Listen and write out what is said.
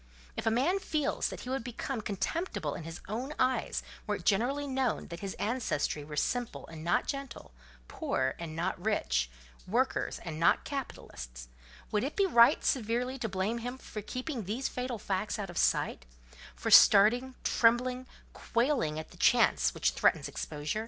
If a man feels that he would become contemptible in his own eyes were it generally known that his ancestry were simple and not gentle, poor and not rich, workers and not capitalists, would it be right severely to blame him for keeping these fatal facts out of sight—for starting, trembling, quailing at the chance which threatens exposure?